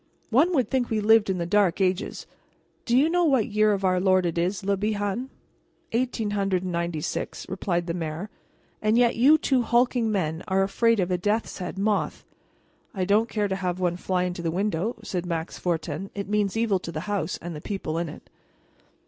One would think we lived in the dark ages. Do you know what year of our Lord it is, Le Bihan?" "Eighteen hundred and ninety six," replied the mayor. "And yet you two hulking men are afraid of a death's head moth." "I don't care to have one fly into the window," said Max Fortin; "it means evil to the house and the people in it."